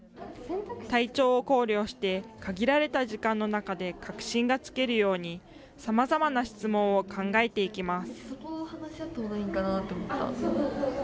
体調を考慮して、限られた時間の中で核心がつけるように、さまざまな質問を考えていきます。